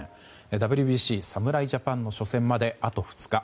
ＷＢＣ侍ジャパンの初戦まであと２日。